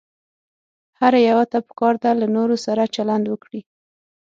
هر يوه ته پکار ده له نورو سره چلند وکړي.